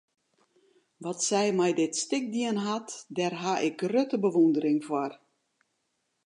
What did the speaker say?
Wat sy mei dit stik dien hat, dêr haw ik grutte bewûndering foar.